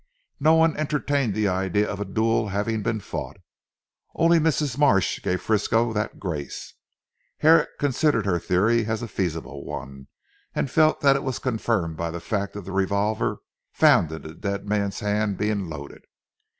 No one entertained the idea of a duel having been fought. Only Mrs. Marsh gave Frisco that grace. Herrick considered her theory a feasible one, and felt that it was confirmed by the fact of the revolver found in the dead man's hand being loaded.